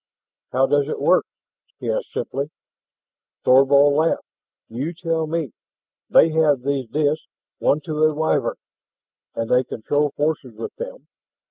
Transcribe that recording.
"How does it work?" he asked simply. Thorvald laughed. "You tell me. They have these disks, one to a Wyvern, and they control forces with them.